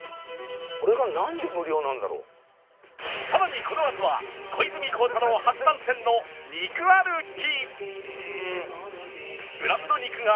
さらにこのあとは小泉孝太郎初参戦の肉歩き